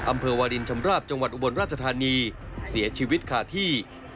อำเภอวาลินชำราบจังหวัดอุบลราชธานีเสียชีวิตขาดที่